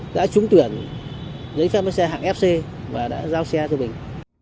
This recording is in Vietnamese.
đã trúng tuyển giấy phép lái xe hạng fc và đã giao xe cho mình